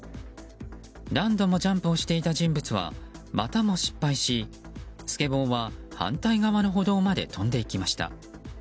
何度もジャンプをしていた人物はまたも失敗しスケボーは、反対側の歩道まで飛んでいきました。